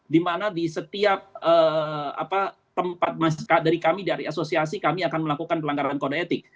dimana di setiap tempat dari kami dari asosiasi kami akan melakukan pelanggaran kode etik